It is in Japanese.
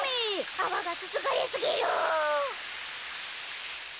あわがすすがれすぎる。